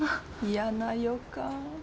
嫌な予感。